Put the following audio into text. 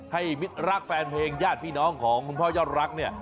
มิตรรักแฟนเพลงญาติพี่น้องของคุณพ่อยอดรักเนี่ย